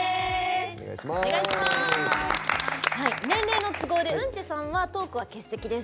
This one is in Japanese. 年齢の都合でウンチェさんはトークは欠席です。